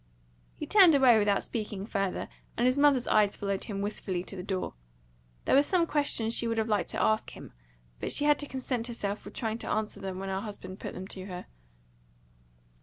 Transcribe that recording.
He turned away without speaking further; and his mother's eyes followed him wistfully to the door. There were some questions that she would have liked to ask him; but she had to content herself with trying to answer them when her husband put them to her.